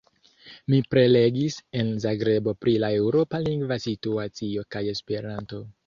Mi prelegis en Zagrebo pri la Eŭropa lingva situacio kaj Esperanto.